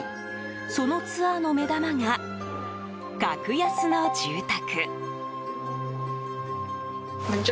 そのツアーの目玉が格安の住宅。